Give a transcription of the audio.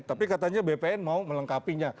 tapi katanya bpn mau melengkapinya